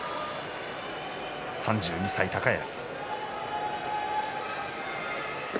３２歳の高安。